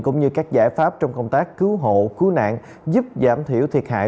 cũng như các giải pháp trong công tác cứu hộ cứu nạn giúp giảm thiểu thiệt hại